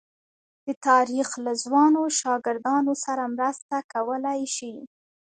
د تاریخ له ځوانو شاګردانو سره مرسته کولای شي.